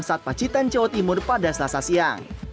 bersama samsat pacitan jawa timur pada selasa siang